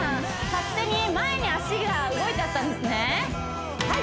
勝手に前に足が動いちゃったんですねじゃ